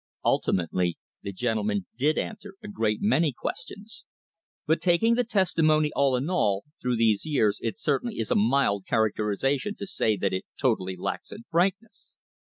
Ultimately the gentlemen did answer a great many questions. But taking the testimony all in all through these years it certainly is a mild characterisation to say that it totally lacks in frankness.